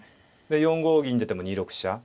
４五銀出ても２六飛車。